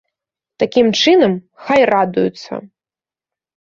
Такім чынам, хай радуюцца.